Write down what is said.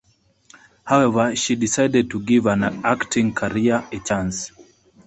However, she decided to give an acting career a chance.